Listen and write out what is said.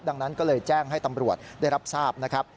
ดังนั้นก็เลยแจ้งให้ตำรวจได้รับทราบนะครับ